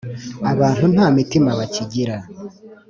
Abantu nta mitima bakigira